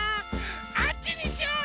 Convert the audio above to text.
あっちにしよう！